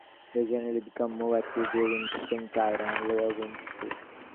They generally become more active during spring tide and lower wind speed.